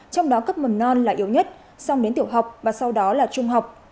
trong đó cấp mầm non là yếu nhất song đến tiểu học và sau đó là trung học